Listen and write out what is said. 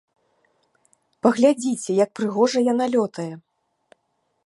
Паглядзіце, як прыгожа яна лётае!